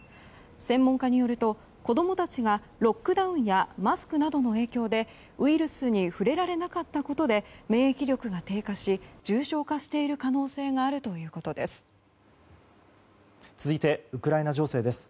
専門家によると子供たちがロックダウンやマスクなどの影響でウイルスに触れられなかったことで免疫力が低下し重症化している可能性があるということです。